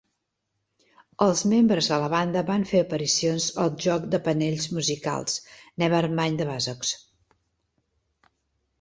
Els membres de la banda van fer aparicions al joc de panells musicals "Never Mind the Buzzcocks".